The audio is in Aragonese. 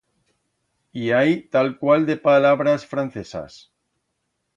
I hai talcual de palabras francesas.